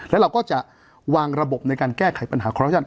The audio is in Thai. แล้วเราก็จะวางระบบในการแก้ไขปัญหาคอรัชัน